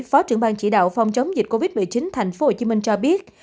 phó trưởng ban chỉ đạo phòng chống dịch covid một mươi chín tp hcm cho biết